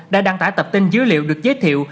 đã đăng tải tập tin dữ liệu được giới thiệu